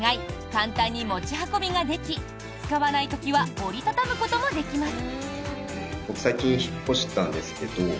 簡単に持ち運びができ使わない時は折り畳むこともできます。